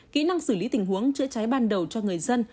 kỹ năng xử lý tình huống chữa cháy ban đầu cho người dân